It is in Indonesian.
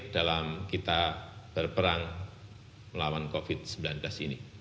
dalam kita berperang melawan covid sembilan belas ini